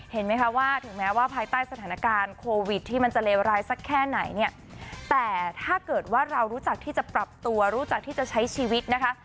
เห็นไหมคะว่าถึงแม้ว่าภายใต้สถานการณ์โควิดที่มันจะเลวร้ายสักแค่ไหนเนี่ยแต่ถ้าเกิดว่าเรารู้จักที่จะปรับตัวรู้จักที่จะใช้ชีวิตนะคะ